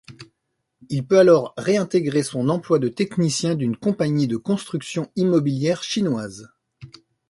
Il peut alors réintégrer son emploi de technicien d’une compagnie de construction immobilière chinoise.